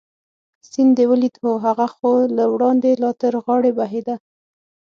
سیند دې ولید؟ هو، هغه خو له وړاندې لا تر غاړې بهېده.